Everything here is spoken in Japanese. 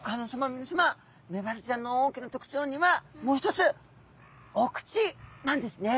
みなさまメバルちゃんの大きな特徴にはもう一つお口なんですね。